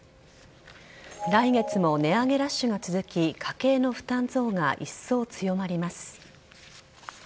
来月も値上げラッシュが続き家計の負担増が一層強まります。